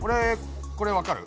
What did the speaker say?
これわかる？